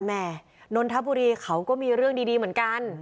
แม่นนทบุรีเขาก็มีเรื่องดีเหมือนกัน